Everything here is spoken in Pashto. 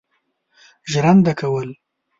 ژرنده کول.